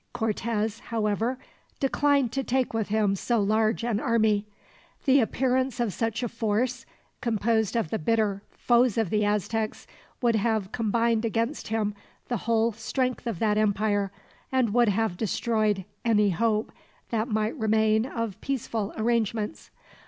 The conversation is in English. Cortez, however, declined to take with him so large an army. The appearance of such a force, composed of the bitter foes of the Aztecs, would have combined against him the whole strength of that empire, and would have destroyed any hope that might remain of peaceful arrangements.